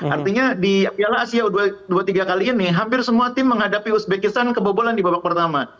artinya di piala asia u dua puluh tiga kali ini hampir semua tim menghadapi uzbekistan kebobolan di babak pertama